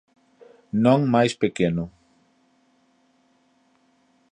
Non máis pequeno.